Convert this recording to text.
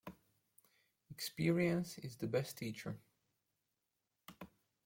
Experience is the best teacher.